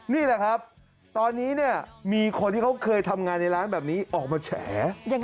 นี่แหละครับตอนนี้เนี่ยมีคนที่เขาเคยทำงานในร้านแบบนี้ออกมาแฉ